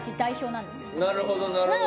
なるほどなるほど。